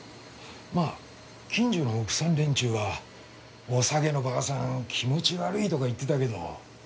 まあ近所の奥さん連中は「おさげのばあさん気持ち悪い」とか言ってたけど。